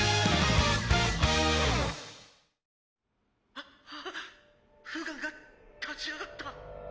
「ああっフガンが立ち上がった」。